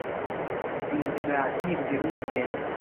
Inzira ntibwira umugenzi